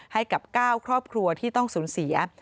ให้กับ๙ครอบครัวที่ต้องสูญเสีย